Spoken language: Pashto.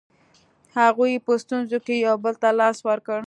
هغوی په ستونزو کې یو بل ته لاس ورکړ.